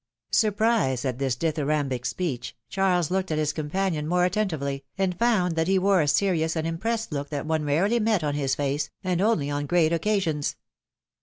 " Surprised at this dithyrambic speech, Charles looked at his companion more attentively, and found that he wore a serious and impressed look that one rarely met on his face, and only on great occasions.